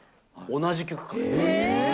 同じ曲かけたの。